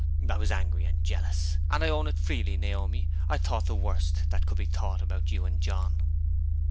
I was angry and jealous; and I own it freely, Naomi, I thought the worst that could be thought about you and John."